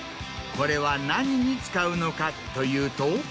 これは何に使うのかというと。